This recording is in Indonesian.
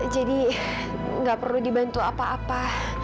jadi gak perlu dibantu apa apa